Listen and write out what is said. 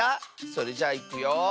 それじゃいくよ。